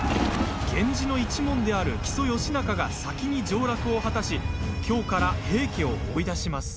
源氏の一門である木曽義仲が先に上らくを果たし京から平家を追い出します。